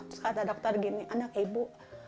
terus kata dokter gini anak ibu